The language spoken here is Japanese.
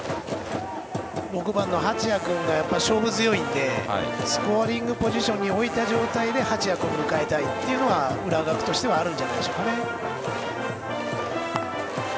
６番の八谷君が勝負強いのでスコアリングポジションに置いて八谷君を迎えたいというのが浦学としてはあるんじゃないでしょうかね。